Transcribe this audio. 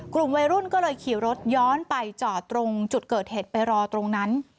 กลุ่มวัยรุ่นก็เลยขี่รถย้อนไปจอดตรงจุดเกิดเหตุไปรอตรงนั้น